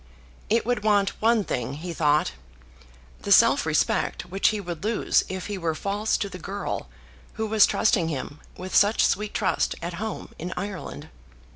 It would want one thing, he thought, the self respect which he would lose if he were false to the girl who was trusting him with such sweet trust at home in Ireland.